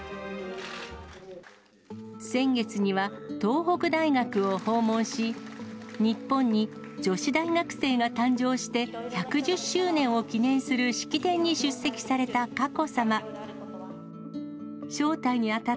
先月には東北大学を訪問し、日本に女子大学生が誕生して１１０周年を記念する式典に出席された佳子さま。